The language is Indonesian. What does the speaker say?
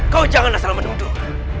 kau jangan asal menunduk